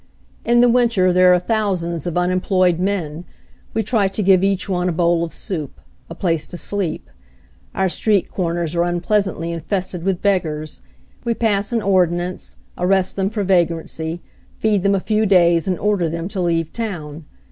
In the winter there are thousands of unem ployed men — we try to give each one a bowl of soup, a place to sleep. Our street corners are unpleasantly infested with beggars — we pass an ordinance, arrest them for vagrancy, feed them a few days and order them to leave town.